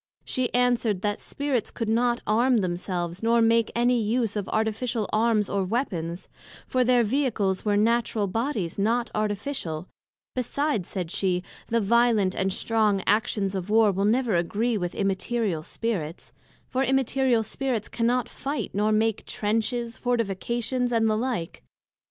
she answered, That Spirits could not arm themselves, nor make any use of Artificial Arms or Weapons; for their Vehicles were Natural Bodies, not Artificial: Besides, said she, the violent and strong actions of war, will never agree with Immaterial Spirits; for Immaterial Spirits cannot fight, nor make Trenches, Fortifications, and the like.